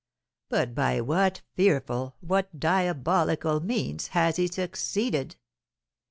But by what fearful, what diabolical means, has he succeeded!